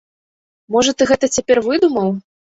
Можа ты гэта цяпер выдумаў?